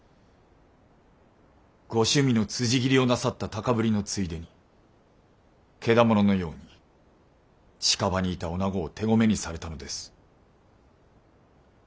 ご趣味のつじ斬りをなさった高ぶりのついでにけだもののように近場にいた女子を手込めにされたのです。